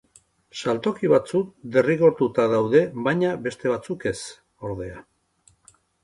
Saltoki batzuk derrigortuta daude baina beste batzuk ez, ordea.